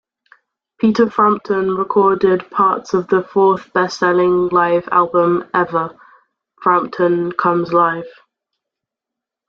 Peter Frampton recorded parts of the fourth best-selling live album ever, Frampton Comes Alive!